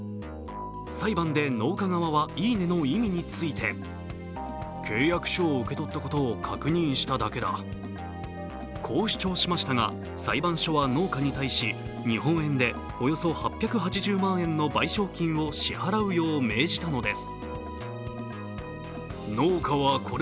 裁判で農家側は「いいね」の意味についてこう主張しましたが裁判所は農家に対し日本円でおよそ８８０万円の賠償を支払うよう命じたのです。